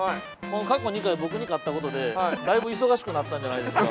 過去２回、僕に勝ったことでだいぶ忙しくなったんじゃないですか。